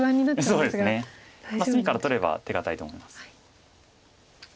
まあ隅から取れば手堅いと思います。